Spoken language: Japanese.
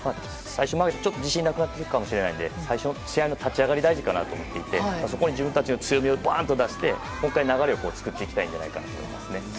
最初はちょっと自信がなくなるかもしれないので最初、試合の立ち上がりが大事かなと思っていてそこに自分たちの強みを出してもう１回流れを作っていきたいと思いますね。